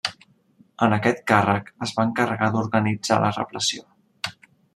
En aquest càrrec es va encarregar d'organitzar la repressió.